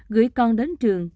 gửi con đến trường